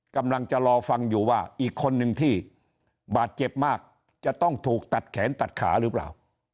กำลังจะรอฟังอยู่ว่าอีกคนนึงที่บาดเจ็บมากจะต้องถูกตัดแขนตัดขาหรือเปล่า